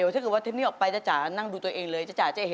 ถ้าพร้อมแล้วมาฟังบทเพลงพ่อจากน้องโจเซ่